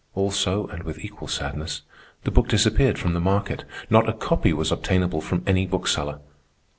Also, and with equal suddenness, the book disappeared from the market. Not a copy was obtainable from any bookseller.